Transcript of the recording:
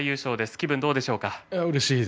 気分はどうでしょうか。